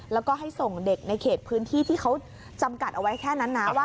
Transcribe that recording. แล้วก็ให้ส่งเด็กในเขตพื้นที่ที่เขาจำกัดเอาไว้แค่นั้นนะว่า